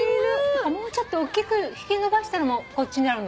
もうちょっとおっきく引き伸ばしたのもこっちにあるの。